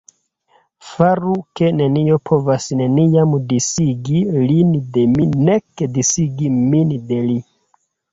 Faru ke nenio povas neniam disigi lin de mi nek disigi min de li”.